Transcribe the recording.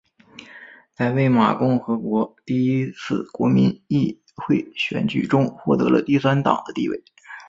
在魏玛共和国第一次国民议会选举中获得了第三党的地位。